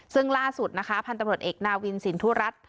ซึ่งล่าสุดนะคะพันธุ์ตำรวจเอกนาวินสินทุรัตน์